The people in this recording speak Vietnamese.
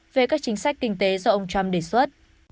về các chính sách kinh tế do ông trump đề xuất